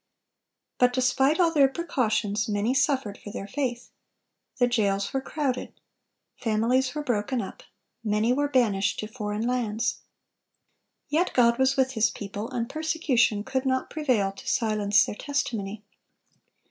But despite all their precautions, many suffered for their faith. The jails were crowded. Families were broken up. Many were banished to foreign lands. Yet God was with His people, and persecution could not prevail to silence their testimony.